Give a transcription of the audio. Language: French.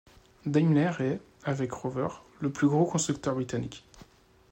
Daimler est, avec Rover, le plus gros constructeur britannique.